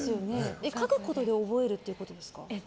書くことで覚えるってことですか？